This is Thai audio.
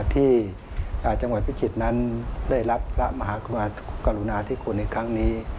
ที่จังหวัดพิจิตรนั้นได้รับพระมหากรุณาธิคุณในครั้งนี้